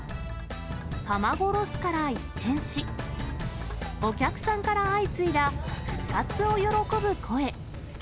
卵ロスから一転し、お客さんから相次いだ、復活を喜ぶ声。